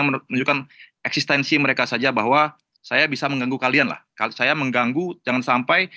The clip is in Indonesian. menunjukkan eksistensi mereka saja bahwa saya bisa mengganggu kalian lah kalian saya mengganggu jangan sampai